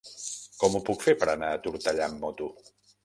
Com ho puc fer per anar a Tortellà amb moto?